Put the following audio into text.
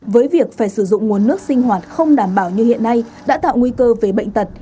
với việc phải sử dụng nguồn nước sinh hoạt không đảm bảo như hiện nay đã tạo nguy cơ về bệnh tật